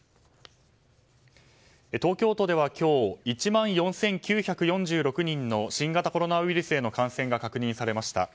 東京都では今日１万４９４６人の新型コロナウイルスへの感染が確認されました。